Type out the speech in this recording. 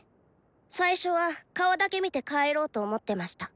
最初は顔だけ見て帰ろうと思ってました。